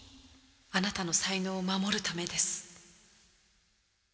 あなたの才能を守るためです。